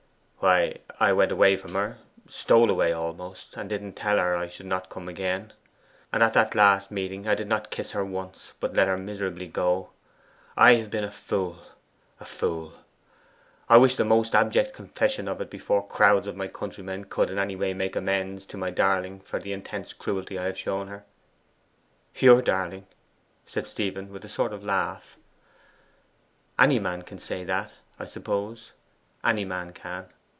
'Why, I went away from her stole away almost and didn't tell her I should not come again; and at that last meeting I did not kiss her once, but let her miserably go. I have been a fool a fool! I wish the most abject confession of it before crowds of my countrymen could in any way make amends to my darling for the intense cruelty I have shown her!' 'YOUR darling!' said Stephen, with a sort of laugh. 'Any man can say that, I suppose; any man can.